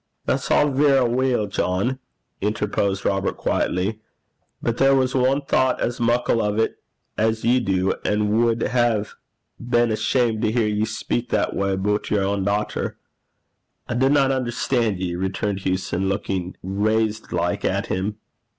'That's a' verra weel, John,' interposed Robert quietly; 'but there was ane thocht as muckle o' 't as ye do, an' wad hae been ashamed to hear ye speak that gait aboot yer ain dauchter.' 'I dinna unnerstan' ye,' returned Hewson, looking raised like at him.